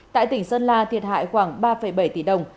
tại tỉnh sơn la thiệt hại khoảng ba bảy tỷ đồng